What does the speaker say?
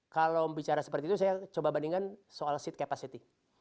kalau bicara seperti itu saya coba bandingkan soal seat capacity